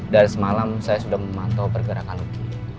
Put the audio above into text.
dari semalam saya sudah memantau pergerakan luki